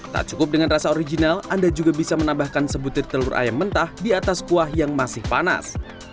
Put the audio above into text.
tak cukup dengan rasa original anda juga bisa menambahkan sebutir telur ayam mentah di atas kuah yang masih panas